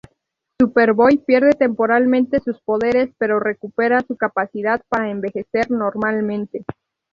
Superboy pierde temporalmente sus poderes pero recupera su capacidad para envejecer normalmente.